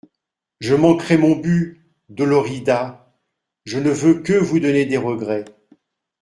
Je manquerais mon but, Dolorida ; je ne veux que vous donner des regrets.